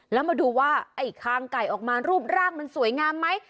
แล้วมาดูว่าไอ้คางไก่ออกมารูปร่างมันสวยงามไหม